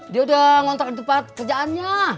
dia udah ngontrak di tempat kerjaannya